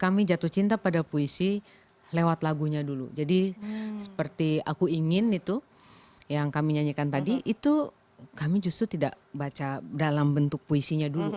kami jatuh cinta pada puisi lewat lagunya dulu jadi seperti aku ingin itu yang kami nyanyikan tadi itu kami justru tidak baca dalam bentuk puisinya dulu